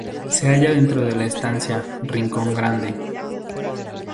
Se halla dentro de la Estancia "Rincón Grande".